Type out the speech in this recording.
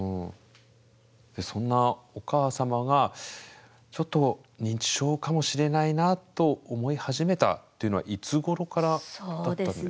そんなお母様がちょっと認知症かもしれないなと思い始めたっていうのはいつごろからだったんですか？